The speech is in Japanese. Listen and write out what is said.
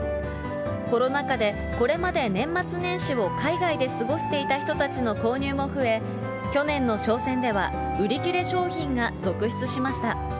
コロナ禍でこれまで年末年始を海外で過ごしていた人たちの購入も増え、去年の商戦では、売り切れ商品が続出しました。